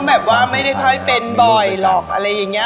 แบบว่าไม่ได้ค่อยเป็นบ่อยหรอกอะไรอย่างนี้